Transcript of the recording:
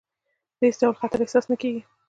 د هېڅ ډول خطر احساس نه کېږي.